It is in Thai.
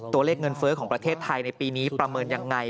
ตัวเลขเงินเฟ้อของประเทศไทยในปีนี้ประเมินยังไง